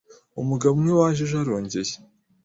Umugabo umwe waje ejo arongeye.